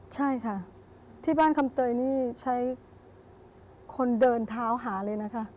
ใช่ค่ะที่บ้านคำเตยนี่ใช้คนเดินเท้าหาเลยนะคะ